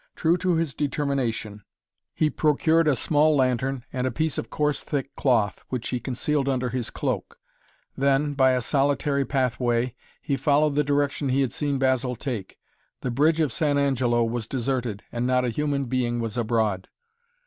True to his determination, he procured a small lantern and a piece of coarse thick cloth, which he concealed under his cloak, then, by a solitary pathway, he followed the direction he had seen Basil take. The Bridge of San Angelo was deserted and not a human being was abroad.